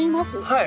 はい。